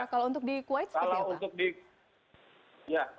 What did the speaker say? kalau untuk di kuwait seperti apa